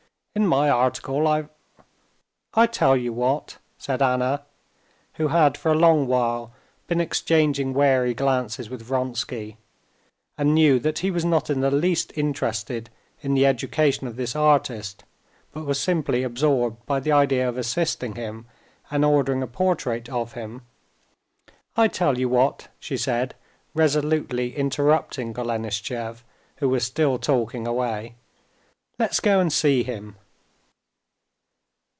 In my article I've...." "I tell you what," said Anna, who had for a long while been exchanging wary glances with Vronsky, and knew that he was not in the least interested in the education of this artist, but was simply absorbed by the idea of assisting him, and ordering a portrait of him; "I tell you what," she said, resolutely interrupting Golenishtchev, who was still talking away, "let's go and see him!"